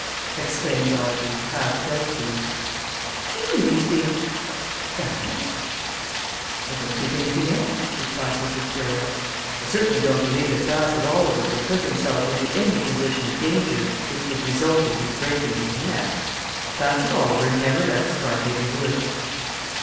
exclaimed Audrey, half doubtfully. "Do you really think that?" "I don't think anything else," replied Mrs. Greyle. "I certainly don't believe that Bassett Oliver would put himself into any position of danger which would result in his breaking his neck. Bassett Oliver never left Scarhaven Wood!"